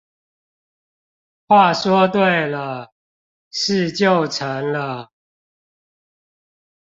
話說對了，事就成了